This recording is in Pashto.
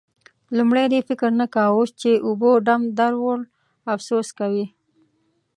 لومړی دې فکر نه کاوو؛ اوس چې اوبو ډم در وړ، افسوس کوې.